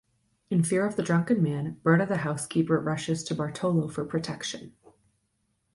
In fear of the drunken man, Berta the housekeeper rushes to Bartolo for protection.